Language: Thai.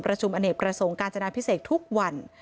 ประชุมอเนตประสงค์การจนาพิเศษทุกวัน